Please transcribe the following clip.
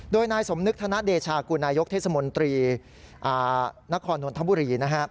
โดยนายสมนึกธนเดชากูนายกเทศมนตรีนครนนทบุรีนะครับ